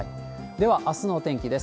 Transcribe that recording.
ではあすのお天気です。